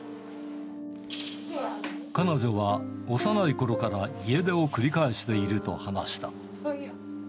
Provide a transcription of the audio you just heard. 彼女は幼いころから家出を繰り返していると話した。